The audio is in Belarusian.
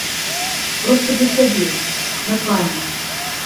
Проста для сябе, на памяць.